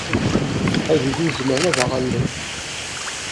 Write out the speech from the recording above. Ad ilin zemren ad aɣ-allen.